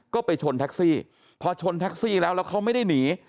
ก็ไปชนแท็กซี่พอชนแท็กซี่แล้วแล้วเขาไม่ได้หนี